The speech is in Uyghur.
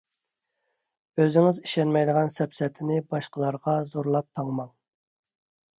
ئۆزىڭىز ئىشەنمەيدىغان سەپسەتىنى باشقىلارغا زورلاپ تاڭماڭ.